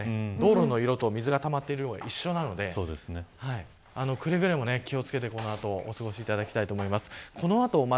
道路の色と水がたまっている色は一緒なのでくれぐれも気を付けてこの後お過ごしいただきたいと思います。